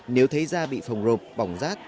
nếu thấy da bị phồng rộp bỏng rát